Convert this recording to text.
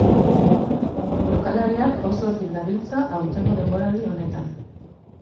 Jokalariak oso fin dabiltza haurtengo denboraldi honetan.